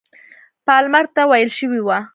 پالمر ته ویل شوي وه.